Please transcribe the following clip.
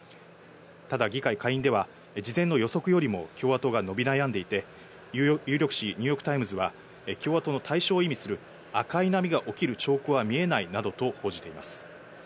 ただ、議会下院では、事前の予測よりも共和党が伸び悩んでいて、有力紙、ニューヨークタイムズは共和党の大勝を意味する赤い波が起きる兆候は見えないなどと報じています。